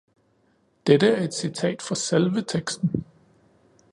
Dette er et citat fra selve teksten.